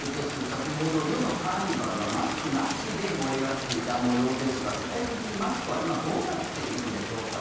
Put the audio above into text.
先ほど、リオのカーニバルはマスクなしで盛り上がっていた模様ですが世界的にマスクは今どうなっているんでしょうか。